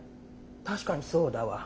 確かにそうだわ。